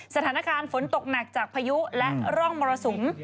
สถานการณ์ฝนตกหนักจากพายุและร่องมรสุม